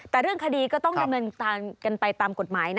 แต่เรื่องคดีก็ต้องดำเนินการกันไปตามกฎหมายนะ